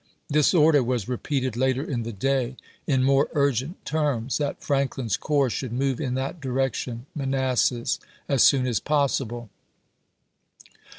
This order was p.^94." repeated later in the day in more urgent terms, that " Franklin's corps should move in that direc tion [Manassas] as soon as possible."